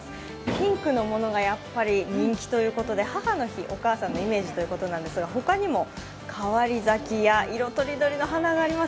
ピンクが人気ということで母の日、お母さんのイメージということなんですが、他にも変わり咲きや、色とりどりの花があります。